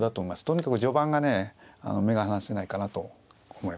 とにかく序盤がね目が離せないかなと思います。